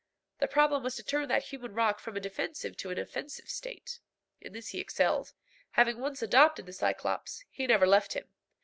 The problem was to turn that human rock from a defensive to an offensive state. In this he excelled. Having once adopted the Cyclops, he never left him.